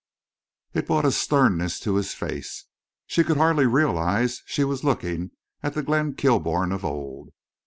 It brought a sternness to his face. She could hardly realize she was looking at the Glenn Kilbourne of old.